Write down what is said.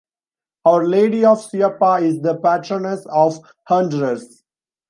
Our Lady of Suyapa is the Patroness of Honduras.